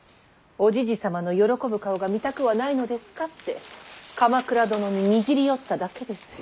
おじじ様の喜ぶ顔が見たくはないのですかって鎌倉殿ににじり寄っただけです。